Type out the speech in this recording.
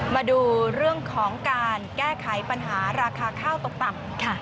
มาดูเรื่องของการแก้ไขปัญหาราคาข้าวตกต่ำ